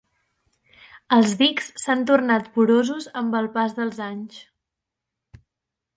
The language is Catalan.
Els dics s'han tornat porosos amb el pas dels anys.